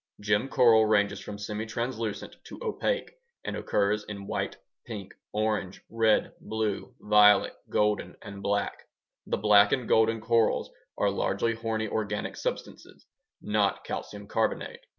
Gem coral ranges from semitranslucent to opaque and occurs in white, pink, orange, red, blue, violet, golden, and black. The black and golden corals are largely horny organic substances, not calcium carbonate.